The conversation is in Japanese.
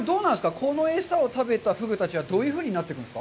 この餌を食べたフグたちはどういうふうになっていくんですか。